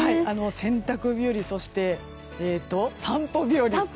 洗濯日和そして散歩日和。